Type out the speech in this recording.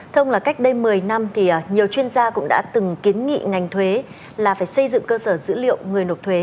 thông là cách đây một mươi năm thì nhiều chuyên gia cũng đã từng kiến nghị ngành thuế là phải xây dựng cơ sở dữ liệu người nộp thuế